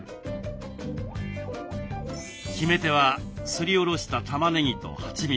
決め手はすりおろしたたまねぎとはちみつ。